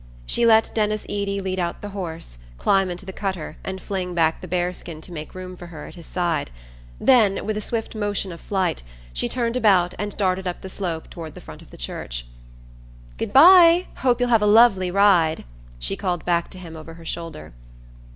She let Denis Eady lead out the horse, climb into the cutter and fling back the bearskin to make room for her at his side; then, with a swift motion of flight, she turned about and darted up the slope toward the front of the church. "Good bye! Hope you'll have a lovely ride!" she called back to him over her shoulder.